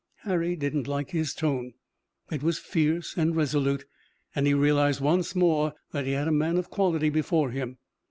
Harry didn't like his tone. It was fierce and resolute, and he realized once more that he had a man of quality before him.